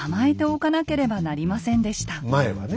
前はね